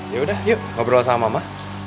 yaudah yuk ngobrol sama mama